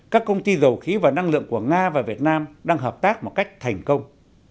các công ty dầu khí và năng lượng của nga và việt nam đang hợp tác một cách thành công